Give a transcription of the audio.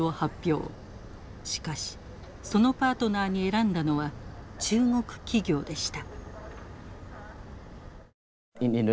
しかしそのパートナーに選んだのは中国企業でした。